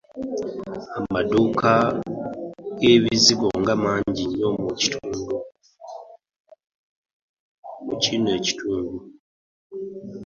Ama dduuka g'ebizigo nga mangi nnyo mu kino ekitundu.